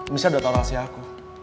michelle udah tau rahasia aku